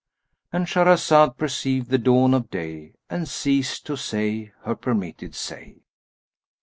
—And Shahrazad perceived the dawn of day and ceased to say her permitted say.